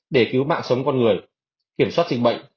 để cứu mạng sống con người kiểm soát dịch bệnh